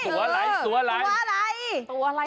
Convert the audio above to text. ตัวอะไรตัวอะไร